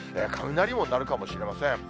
雷も鳴るかもしれません。